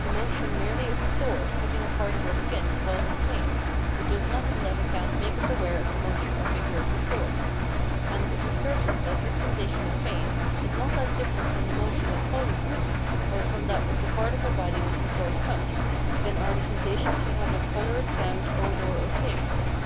The motion merely of a sword cutting a part of our skin causes pain, [but does not on that account make us aware of the motion or figure of the sword]. And it is certain that this sensation of pain is not less different from the motion that causes it, or from that of the part of our body which the sword cuts, than are the sensations we have of colour, sound, odour, or taste.